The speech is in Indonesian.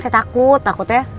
saya takut takut ya